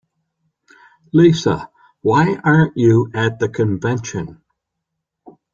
Lisa, why aren't you at the convention?